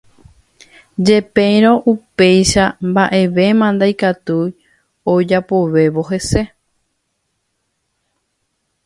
Jepérõ upéicha mba'evéma ndaikatúi ojapovévo hese.